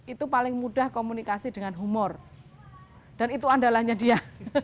itu paling mudah komunikasi dengan humor dan itu andalanya dia